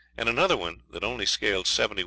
and another one that only scaled 71 oz.